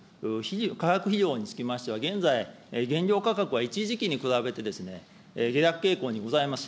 化学肥料につきましては、現在、原料価格は一時期に比べて下落傾向にございます。